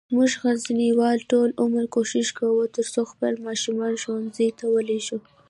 مونږه غزنیوال ټول عمر کوښښ کووه ترڅوخپل ماشومان ښوونځیوته ولیږو